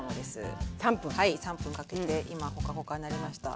はい３分かけて今ほかほかになりました。